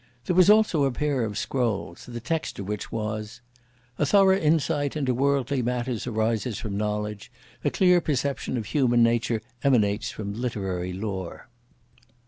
There was also a pair of scrolls, the text of which was: A thorough insight into worldly matters arises from knowledge; A clear perception of human nature emanates from literary lore.